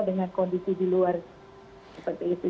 dengan kondisi di luar seperti itu